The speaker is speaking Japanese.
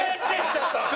ちょっと！